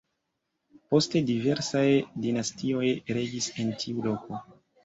Poste diversaj dinastioj regis en tiu loko.